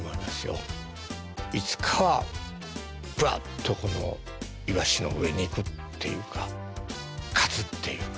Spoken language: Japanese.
いつかはぶわっとイワシの上に行くっていうか勝つっていうか。